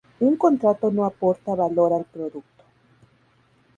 Un contrato no aporta valor al producto.